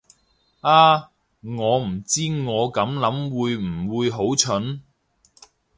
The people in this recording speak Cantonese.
啊，我唔知我咁諗會唔會好蠢